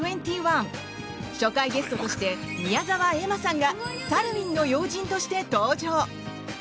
初回ゲストとして宮澤エマさんがサルウィンの要人として登場。